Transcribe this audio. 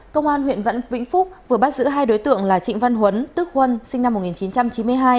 công an huyện vẫn vĩnh phúc vừa bắt giữ hai đối tượng là trịnh văn huấn tức huân sinh năm một nghìn chín trăm chín mươi hai